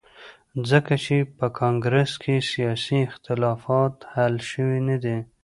ځکه چې په کانګرس کې سیاسي اختلافات حل شوي ندي.